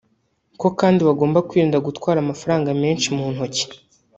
ko kandi bagomba kwirinda gutwara amafaranga menshi mu ntoki